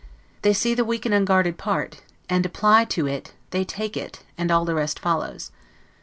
They see the weak and unguarded part, and apply to it they take it, and all the rest follows.